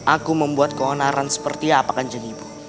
aku membuat keonaran seperti apakan jadi ibu